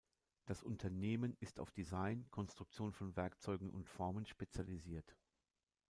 Das Unternehmen ist auf Design, Konstruktion von Werkzeugen und Formen spezialisiert.